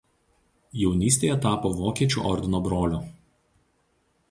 Jaunystėje tapo Vokiečių ordino broliu.